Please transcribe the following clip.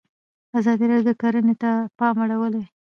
ازادي راډیو د کرهنه ته پام اړولی.